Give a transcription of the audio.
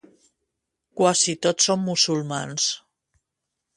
Quasi tots són musulmans.